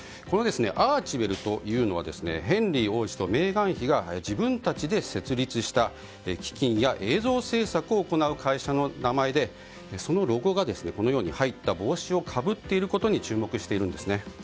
アーチウェルというのはヘンリー王子とメーガン妃が自分たちで設立した基金や映像制作を行う会社の名前でそのロゴが入った帽子をかぶっていることに注目しているんですね。